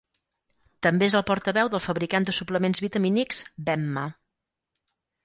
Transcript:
També és el portaveu del fabricant de suplements vitamínics Vemma.